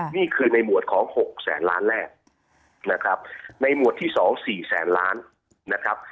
นี่คือในหมวดของ๖แสนล้านแรกนะครับในหมวดที่๒๔แสนล้านนะครับ